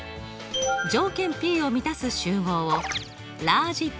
条件ｐを満たす集合をラージＰ。